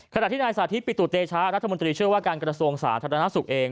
ขณะที่นายสาธิตปิตุเตชะรัฐมนตรีเชื่อว่าการกระทรวงสาธารณสุขเอง